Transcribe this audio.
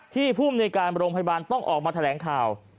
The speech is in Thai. ที่ผู้บริการโรงพยาบาลต้องออกมาแถลงข่าว